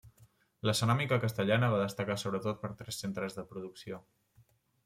La ceràmica castellana va destacar sobretot per tres centres de producció.